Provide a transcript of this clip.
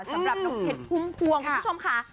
สำหรับหนุ่มเพชรพุ่มพวงคุณผู้ชมค่ะ